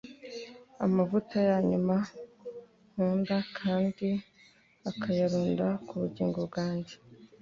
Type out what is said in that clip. amavuta ya nyuma nkunda kandi akayarunda ku bugingo bwanjye